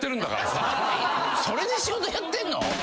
それで仕事やってんの？